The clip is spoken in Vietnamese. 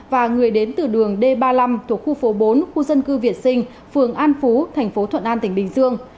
và người đến từ đường d ba mươi năm thuộc khu phố bốn khu dân cư việt sinh phường an phú thành phố thuận an tỉnh bình dương